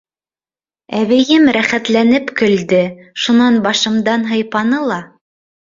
Әбейем рәхәтләнеп көлдө, шунан башымдан һыйпаны ла: